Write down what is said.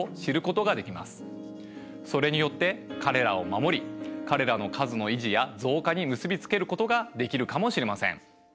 それによって彼らを守り彼らの数の維持や増加に結び付けることができるかもしれません。